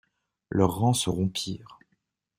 Leurs rangs se rompirent.